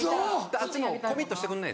あっちもコミットしてくんない。